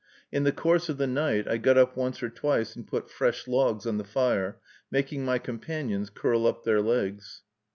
In the course of the night, I got up once or twice and put fresh logs on the fire, making my companions curl up their legs.